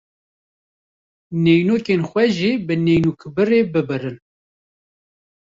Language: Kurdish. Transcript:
Neynûkên xwe jî bi neynûkbirê bibirin.